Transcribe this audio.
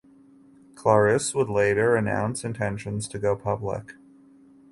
Claris would later announce intentions to go public.